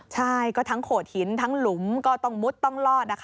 ใช่ก็ทั้งโขดหินทั้งหลุมก็ต้องมุดต้องลอดนะคะ